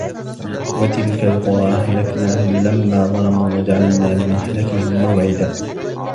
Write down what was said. وَتِلْكَ الْقُرَى أَهْلَكْنَاهُمْ لَمَّا ظَلَمُوا وَجَعَلْنَا لِمَهْلِكِهِمْ مَوْعِدًا